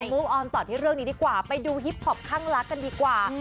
มุกออนต่อที่เรื่องนี้ดีกว่าไปดูฮิปพอปข้างรักกันดีกว่า